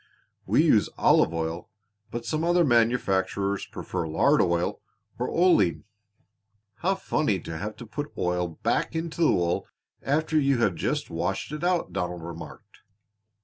We use olive oil, but some other manufacturers prefer lard oil or oleine." "How funny to have to put oil back into the wool after you have just washed it out!" Donald remarked.